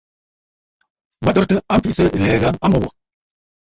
Mə̀ dòrɨ̀tə a mfiʼisə̂ ɨ̀lɛ̀ɛ̂ gha a mbo wò.